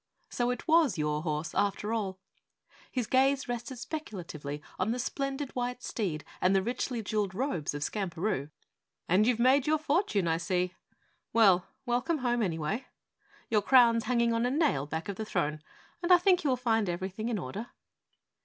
"So it was your horse, after all." His gaze rested speculatively on the splendid white steed and richly jeweled robes of Skamperoo. "And you've made your fortune, I see! Well, welcome home anyway, your crown's hanging on a nail back of the throne and I think you will find everything in order."